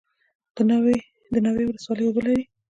د ناوې ولسوالۍ اوبه لري